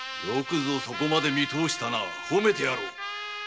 よくぞそこまで見通したな褒めてやろう。